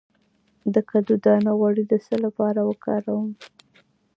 د کدو دانه غوړي د څه لپاره وکاروم؟